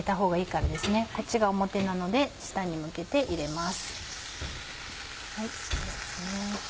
こっちが表なので下に向けて入れます。